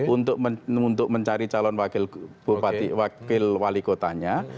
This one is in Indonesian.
untuk mencari calon wakil wali kotanya